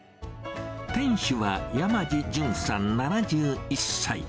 店主は山路順さん７１歳。